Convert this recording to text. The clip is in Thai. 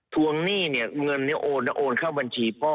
ทวงหนี้เนี่ยเงินโอนเข้าบัญชีพ่อ